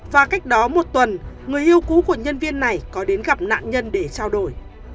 và cách đó một tuần người yêu cũ của nhân viên này có đến gặp nạn nhân để trao đổi